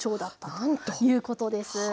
なんと！ということです。